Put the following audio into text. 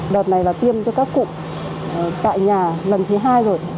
đợt này là tiêm cho các cụ tại nhà lần thứ hai rồi